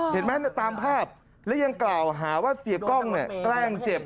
เห็นไหมตามภาพและยังกล่าวหาว่าเสียกล้องเนี่ยแกล้งเจ็บ